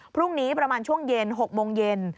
พรุ่งนี้ประมาณช่วงเย็น๖โมงเย็น